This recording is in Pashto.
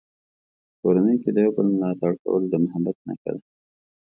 په کورنۍ کې د یو بل ملاتړ کول د محبت نښه ده.